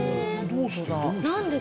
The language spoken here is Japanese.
どうして？